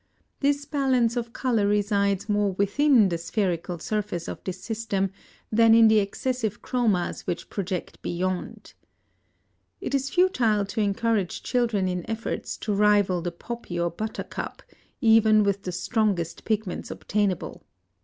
This balance of color resides more within the spherical surface of this system than in the excessive chromas which project beyond. It is futile to encourage children in efforts to rival the poppy or buttercup, even with the strongest pigments obtainable.